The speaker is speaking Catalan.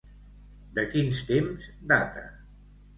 De quins temps data?